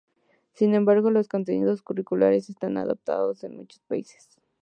Sin embargo, los contenidos curriculares están adaptados en muchos países.